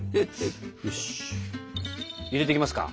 入れていきますか。